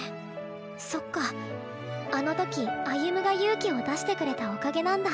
そっかあの時歩夢が勇気を出してくれたおかげなんだ。